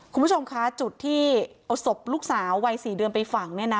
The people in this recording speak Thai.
คุณผู้ชมคะจุดที่เอาศพลูกสาววัย๔เดือนไปฝังเนี่ยนะ